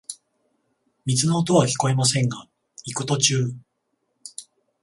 水の音はきこえませんが、行く途中、